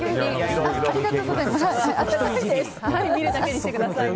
見るだけにしてください。